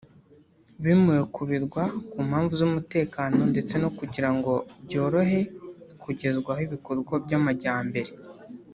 bimuwe ku birwa ku mpamvu z’umutekano ndetse no kugira ngo byorohe kugezwaho ibikorwa by’amajyambere